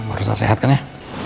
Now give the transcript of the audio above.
baru saat sehat kan ya